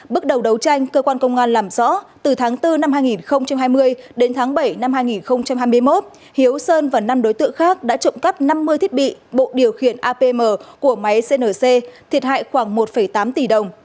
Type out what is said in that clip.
bước đầu đấu tranh cơ quan công an làm rõ từ tháng bốn năm hai nghìn hai mươi đến tháng bảy năm hai nghìn hai mươi một hiếu sơn và năm đối tượng khác đã trộm cắp năm mươi thiết bị bộ điều khiển apm của máy cnc thiệt hại khoảng một tám tỷ đồng